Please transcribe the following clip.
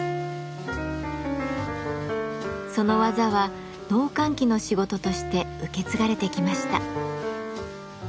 その技は農閑期の仕事として受け継がれてきました。